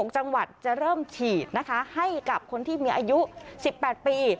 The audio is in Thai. จังหวัดจะเริ่มฉีดนะคะให้กับคนที่มีอายุ๑๘ปี